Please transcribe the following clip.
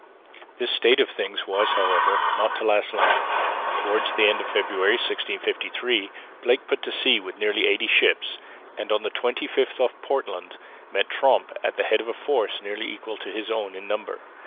This state of things was however not to last long. Towards the end of February, 1653, Blake put to sea with nearly eighty ships, and on the 25th off Portland met Tromp at the head of a force nearly equal to his own in number.